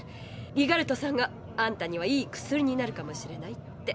ギガルトさんが「あんたにはいい薬になるかもしれない」って。